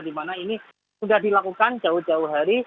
dimana ini sudah dilakukan jauh jauh